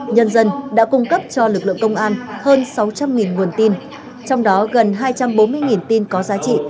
nhân dân đã cung cấp cho lực lượng công an hơn sáu trăm linh nguồn tin trong đó gần hai trăm bốn mươi tin có giá trị